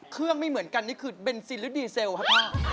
ไม่เหมือนกันนี่คือเบนซินหรือดีเซลครับ